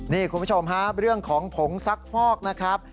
นี่คุณผู้ชมฮะเรื่องของผงซักฟอกนะครับ